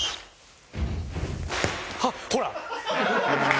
あっほら！